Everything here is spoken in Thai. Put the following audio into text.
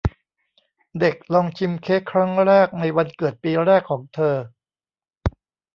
เด็กลองชิมเค้กครั้งแรกในวันเกิดปีแรกของเธอ